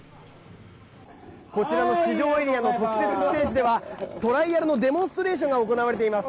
こちらの試乗エリアの特設ステージではトライアルのデモンストレーションが行われています。